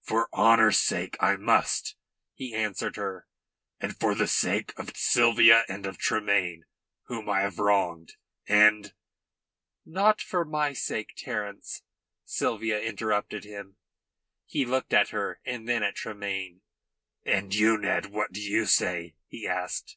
"For honour's sake, I must," he answered her. "And for the sake of Sylvia and of Tremayne, whom I have wronged, and " "Not for my sake, Terence," Sylvia interrupted him. He looked at her, and then at Tremayne. "And you, Ned what do you say?" he asked.